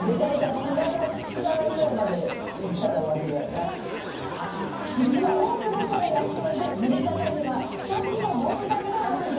２人はベタベタ実は多くの人がやっている塗り方には２つの問題があるんです。